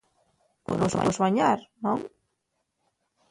Un home pue suañar, ¿non?